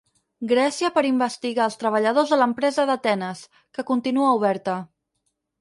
Grècia per investigar els treballadors de l'empresa d'Atenes, que continua oberta.